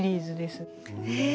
へえ。